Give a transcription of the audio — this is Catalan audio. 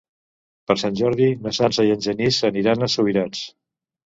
Per Sant Jordi na Sança i en Genís aniran a Subirats.